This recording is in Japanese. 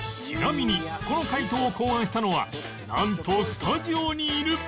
ちなみにこの解答を考案したのはなんとスタジオにいる